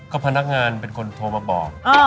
พนักงานเป็นคนโทรมาบอก